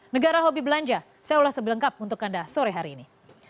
negara hobi belanja saya ulas sebelengkap untuk anda sore hari ini